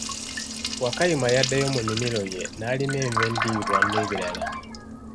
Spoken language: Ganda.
Wakayima yaddayo mu nnimiro ye n'alima enva endiirwa n'ebibala.